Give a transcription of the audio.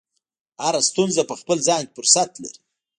هره ستونزه په خپل ځان کې فرصت لري.